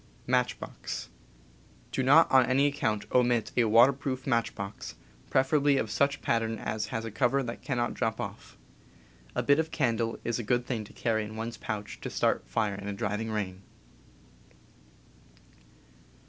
Do not on any account omit a water 'proof matchbox, preferably of such pattern as has a cover that cannot ^,, drop off. A bit of candle is a good thing to carry in one's pouch to start fire in a driving rain.